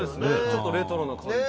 「ちょっとレトロな感じ」